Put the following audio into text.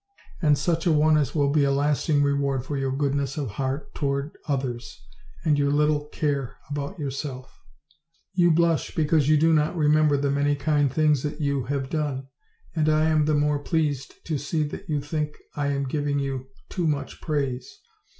and such a one as will be a lasting reward for your goodness of heart toward others, and your little care about yourself. You blush, because you do not re member the many kind things that you have done, and I am the more pleased to see that you think I am giving you too much praise.